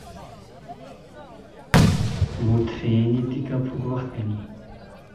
متھرینی دیکہ پُھک وخت گانیر